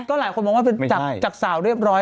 ต้องหลายคนบอกว่าจากสาวเรียบร้อย